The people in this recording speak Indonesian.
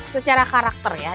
secara karakter ya